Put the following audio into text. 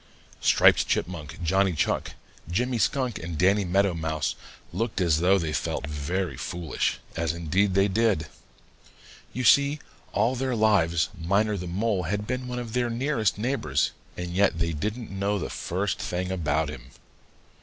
Striped Chipmunk, Johnny Chuck, Jimmy Skunk, and Danny Meadow Mouse looked as though they felt very foolish, as indeed they did. You see, all their lives Miner the Mole had been one of their nearest neighbors, and yet they didn't know the first thing about him.